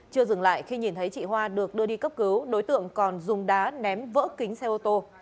chưa dừng lại khi nhìn thấy chị hoa được đưa đi cấp cứu đối tượng còn dùng đá ném vỡ kính xe ô tô